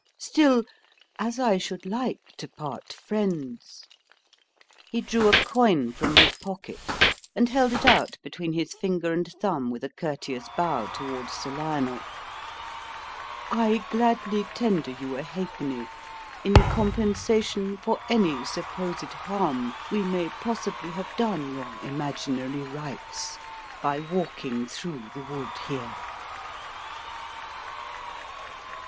Still, as I should like to part friends" he drew a coin from his pocket, and held it out between his finger and thumb with a courteous bow towards Sir Lionel "I gladly tender you a ha'penny in compensation for any supposed harm we may possibly have done your imaginary rights by walking through the wood here."